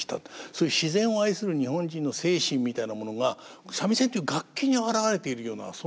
そういう自然を愛する日本人の精神みたいなものが三味線っていう楽器に表れているようなそんな感じがしますね。